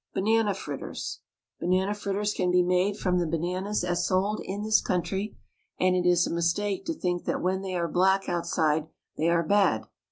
BANANA FRITTERS. Banana fritters can be made from the bananas as sold in this country, and it is a mistake to think that when they are black outside they are bad.